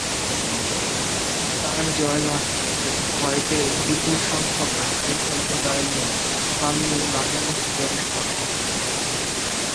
তার জয়লাভে ভয় পেয়ে বিপুল সংখ্যক রাখাইন সম্প্রদায়ের লোক পালিয়ে বাংলাদেশে প্রবেশ করে।